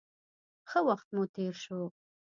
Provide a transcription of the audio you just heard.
ښه وخت مو تېر شو.